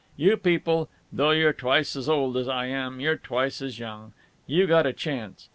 You people, though you're twice as old as I am, you're twice as young. You got a chance.